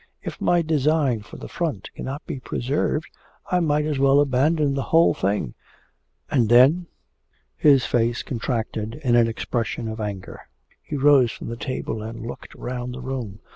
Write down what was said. If my design for the front cannot be preserved, I might as well abandon the whole thing! And then?' His face contracted in an expression of anger. He rose from the table, and looked round the room.